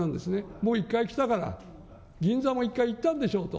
もう１回来たから、銀座も一回行ったんでしょうと。